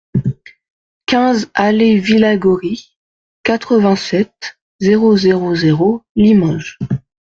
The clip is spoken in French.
quinze alléE Villagory, quatre-vingt-sept, zéro zéro zéro, Limoges